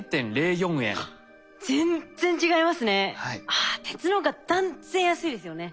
あ鉄のほうが断然安いですよね。